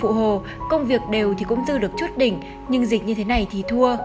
chồng chị thanh là một người phụ hồ công việc đều thì cũng dư được chút đỉnh nhưng dịch như thế này thì thua